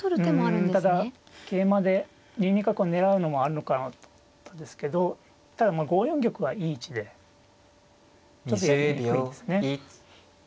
うんただ桂馬で２二角を狙うのもあるのかなですけどただまあ５四玉はいい位置でちょっとやりにくいんですね。